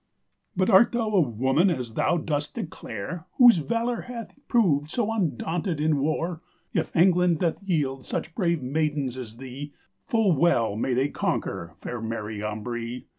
"But art thou a woman, as thou dost declare, Whose valor hath proved so undaunted in warre? If England doth yield such brave maydens as thee, Full well mey they conquer, faire Mary Ambree."